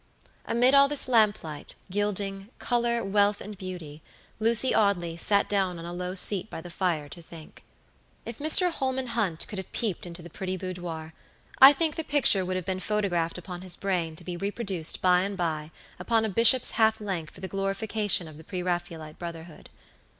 Amid all this lamplight, gilding, color, wealth, and beauty, Lucy Audley sat down on a low seat by the fire to think. If Mr. Holman Hunt could have peeped into the pretty boudoir, I think the picture would have been photographed upon his brain to be reproduced by and by upon a bishop's half length for the glorification of the pre Raphaelite brotherhood.